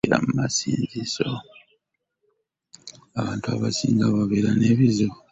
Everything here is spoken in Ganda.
Abantu abasinga ababeera n'ebizibu badukira mu masinzizo.